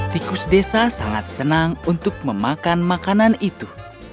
tikus desa sangat senang untuk memakan makanan itu